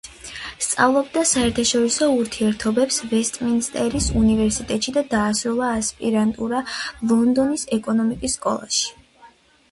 სწავლობდა საერთაშორისო ურთიერთობებს ვესტმინსტერის უნივერსიტეტში და დაასრულა ასპირანტურა ლონდონის ეკონომიკის სკოლაში.